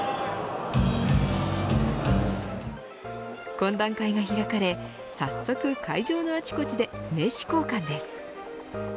懇談会が開かれ早速、会場のあちこちで名刺交換です。